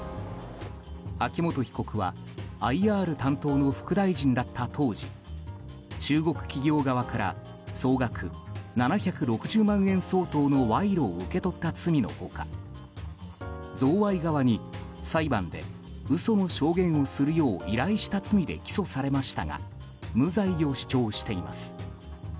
秋元被告はＩＲ担当の副大臣だった当時中国企業側から総額７６０万円相当の賄賂を受け取った罪の他贈賄側に裁判で嘘の証言をするよう依頼した罪で起訴されましたが無罪を主張しています。